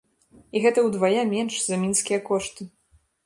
І гэта ўдвая менш за мінскія кошты.